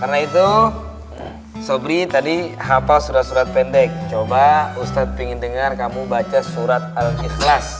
karena itu sobri tadi hafal surat surat pendek coba ustad pingin dengar kamu baca surat al ikhlas